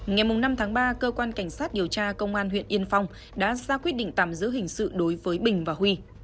ngày năm tháng ba cơ quan cảnh sát điều tra công an huyện yên phong đã ra quyết định tạm giữ hình sự đối với bình và huy